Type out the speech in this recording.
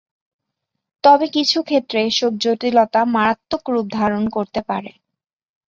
তবে কিছু ক্ষেত্রে এসব জটিলতা মারাত্মক রূপ ধারণ করতে পারে।